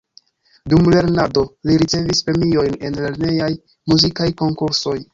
Dum lernado li ricevis premiojn en lernejaj muzikaj konkursoj.